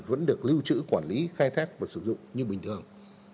vẫn được lưu trữ quản lý khai thác và sử dụng như bình thường